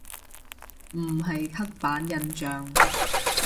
唔係刻板印象